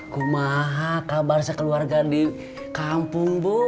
kuma kabar sekeluarga di kampung bu